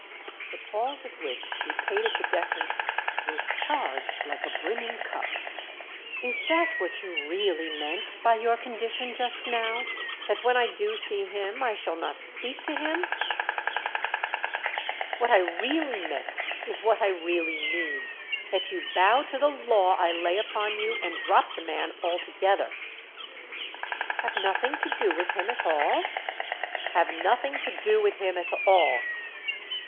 The pause of which she paid it the deference was charged like a brimming cup. "Is that what you really meant by your condition just now—that when I do see him I shall not speak to him?" "What I 'really meant' is what I really mean—that you bow to the law I lay upon you and drop the man altogether." "Have nothing to do with him at all?" "Have nothing to do with him at all."